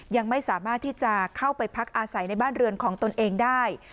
ยังไม่สามารถที่จะเข้าไปพักอาศัยในบ้านเรือนของตนเองได้